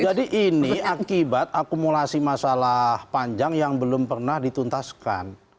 jadi ini akibat akumulasi masalah panjang yang belum pernah dituntaskan